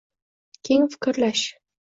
keng fikrlash